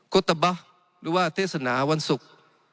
โกตะบะหรือว่าเทศนาวันศุกร์